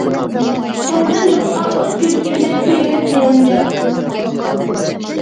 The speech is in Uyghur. سەندىن باشقا ئوت يۈرىكىمدە كۆيمەس يېلىنجاپ.